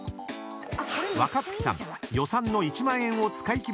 ［若槻さん